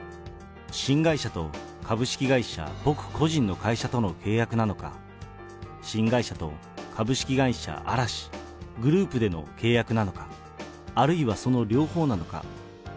新会社と株式会社、僕個人の会社との契約なのか、新会社と株式会社嵐、グループでの契約なのか、あるいはその両方なのか。